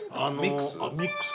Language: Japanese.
ミックス？